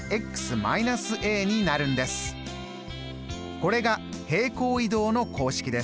これが平行移動の公式です。